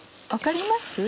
分かります？